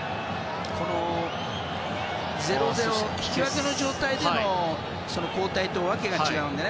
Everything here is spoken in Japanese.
０−０引き分けの状態での交代とわけが違うのでね。